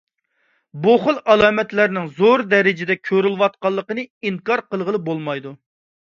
بۇ خىل ئالامەتلەرنىڭ زور دەرىجىدە كۆرۈلۈۋاتقانلىقىنى ئىنكار قىلغىلى بولمايدۇ.